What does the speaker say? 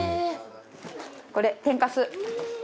これ天かす。